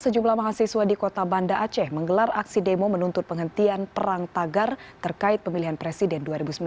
sejumlah mahasiswa di kota banda aceh menggelar aksi demo menuntut penghentian perang tagar terkait pemilihan presiden dua ribu sembilan belas